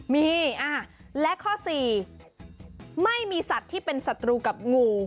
มีและข้อสี่ไม่มีสัตว์ที่เป็นศัตรูกับงู